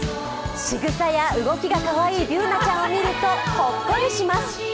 しぐさや動きがかわいいＢｏｏｎａちゃんを見るとほっこりします。